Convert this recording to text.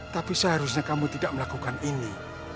tapi seharusnya kamu tidak melakukan ini